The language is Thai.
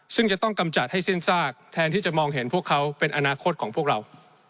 ซึ่งจะต้องกำจัดให้สิ้นซากแทนที่จะมองเห็นพวกเขาเป็นอนาคตของพวกเรา